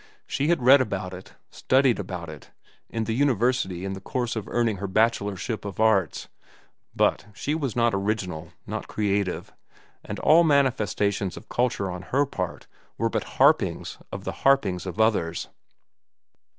She had read about it, studied about it, in the university in the course of earning her Bachelorship of Arts; but she was not original, not creative, and all manifestations of culture on her part were but harpings of the harpings of others.